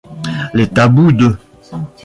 Les Tabous de...